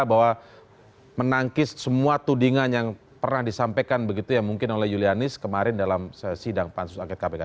bahwa menangkis semua tudingan yang pernah disampaikan begitu ya mungkin oleh julianis kemarin dalam sidang pansus angket kpk